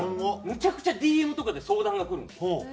むちゃくちゃＤＭとかで相談が来るんですよ。